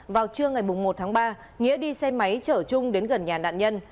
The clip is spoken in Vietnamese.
vào trưa ngày một tháng ba nghĩa đi xe máy chở trung đến gần nhà nạn nhân